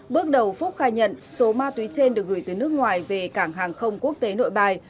bước đầu phúc khai nhận số ma túy trên được gửi từ nước ngoài về cảng hàng không quốc tế nội bài